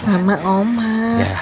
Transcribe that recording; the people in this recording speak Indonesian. sini dulu sama omah